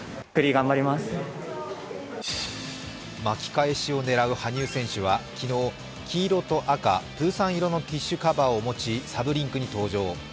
巻き返しを狙う羽生選手は昨日、黄色と赤、プーさん色のティッシュカバーを持ちサブリンクに登場。